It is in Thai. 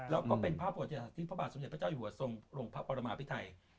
แล้วก็เป็นภาพที่พระบาทสวิทยาปัจจัยหรือทรงทรงพระปรมาณภิไทย